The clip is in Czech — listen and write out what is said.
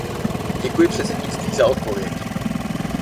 Děkuji předsednictví za odpověď.